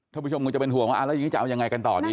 ผู้ชมคงจะเป็นห่วงว่าแล้วอย่างนี้จะเอายังไงกันต่อดี